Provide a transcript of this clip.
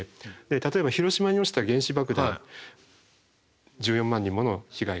例えば広島に落ちた原子爆弾１４万人もの被害が及ぶと。